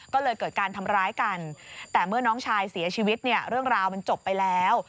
ก็เลยเกิดการทำร้ายกันแต่เมื่อน้องชายเสียชีวิตเนี่ยเรื่องราวมันจบไปแล้ว